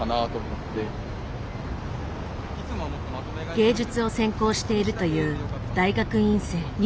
芸術を専攻しているという大学院生。